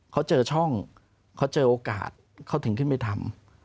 เขาเจอช่องเขาเจอโอกาสเขาถึงขึ้นไปทำ